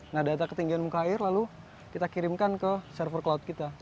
nah data ketinggian muka air lalu kita kirimkan ke server cloud kita